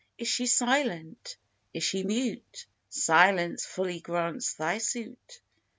Is she silent, is she mute? Silence fully grants thy suit.